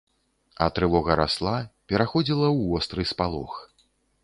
А трывога расла, пераходзіла ў востры спалох.